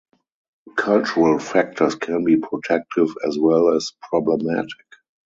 Cultural factors can be protective as well as problematic.